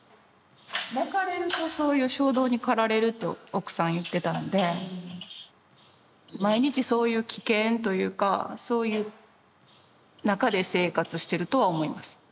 泣かれるとそういう衝動に駆られると奥さん言ってたんで毎日そういう危険というかそういう中で生活してるとは思います。